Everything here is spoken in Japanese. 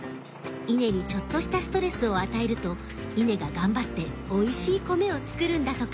稲にちょっとしたストレスを与えると稲が頑張っておいしい米を作るんだとか。